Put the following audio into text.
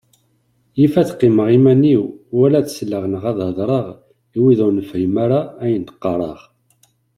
Yif ad qqimeɣ iman-iw wala ad sleɣ neɣ ad heddreɣ i wid ur nfehhem ara ayen d-qqareɣ.